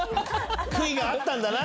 悔いがあったんだな。